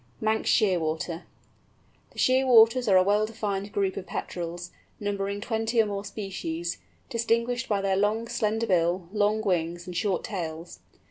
MANX SHEARWATER. The Shearwaters are a well defined group of Petrels, numbering twenty or more species, distinguished by their long, slender bill, long wings, and short tails.